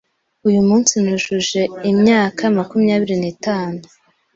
Uyu munsi, nujuje imyaka makumyabiri n'itanu.